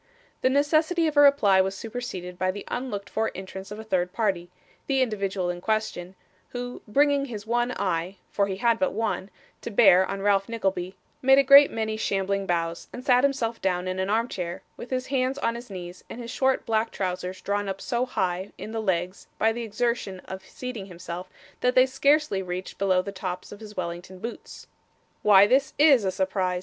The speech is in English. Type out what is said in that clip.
The necessity of a reply was superseded by the unlooked for entrance of a third party the individual in question who, bringing his one eye (for he had but one) to bear on Ralph Nickleby, made a great many shambling bows, and sat himself down in an armchair, with his hands on his knees, and his short black trousers drawn up so high in the legs by the exertion of seating himself, that they scarcely reached below the tops of his Wellington boots. 'Why, this IS a surprise!